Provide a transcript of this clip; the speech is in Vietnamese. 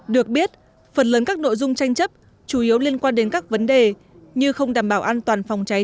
được biết phần lớn các nội dung tranh chấp chủ yếu liên quan đến các vấn đề như không đảm bảo an toàn phòng cháy